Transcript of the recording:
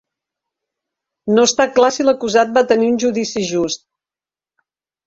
No està clar si l'acusat va tenir un judici just.